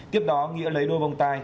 tiếp đó nghĩa lấy đôi bông tai